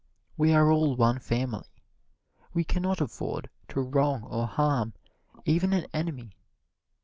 We are all one family we can not afford to wrong or harm even an enemy.